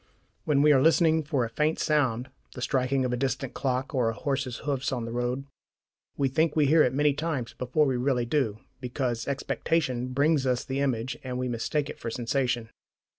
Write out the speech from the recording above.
When we are listening for a faint sound the striking of a distant clock, or a horse's hoofs on the road we think we hear it many times before we really do, because expectation brings us the image, and we mistake it for sensation.